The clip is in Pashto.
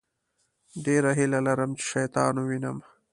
ډېره هیله لرم چې شیطان ووينم.